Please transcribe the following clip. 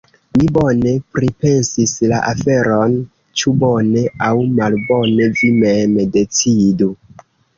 Mi bone pripensis la aferon… ĉu bone aŭ malbone vi mem decidu.